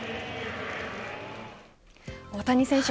大谷選手